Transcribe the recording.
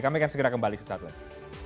kami akan segera kembali sesaat lagi